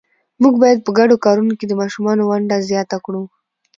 موږ باید په ګډو کارونو کې د ماشومانو ونډه زیات کړو